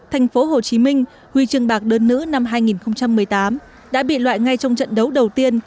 thành phố hồ chí minh huy trường bạc đơn nữ năm hai nghìn một mươi tám đã bị loại ngay trong trận đấu đầu tiên